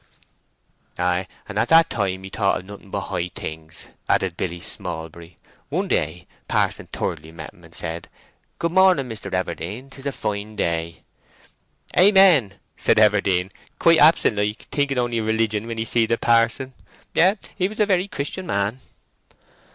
"Ay, at that time he thought of nothing but high things," added Billy Smallbury. "One day Parson Thirdly met him and said, 'Good Morning, Mister Everdene; 'tis a fine day!' 'Amen' said Everdene, quite absent like, thinking only of religion when he seed a parson. Yes, he was a very Christian man."